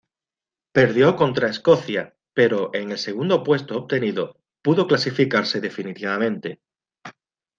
Perdió contra Escocia pero, con el segundo puesto obtenido, pudo clasificarse definitivamente.